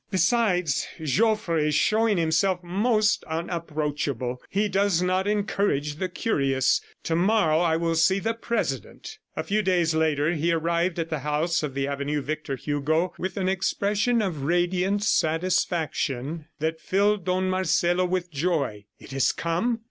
"Besides, Joffre is showing himself most unapproachable; he does not encourage the curious. ... To morrow I will see the President." A few days later, he arrived at the house in the avenue Victor Hugo, with an expression of radiant satisfaction that filled Don Marcelo with joy. "It has come?"